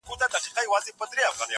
په تېرو غاښو مي دام بيرته شلولى٫